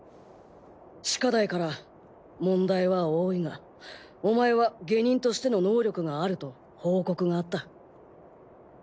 シカダイから問題は多いがお前は下忍としての能力があると報告があった。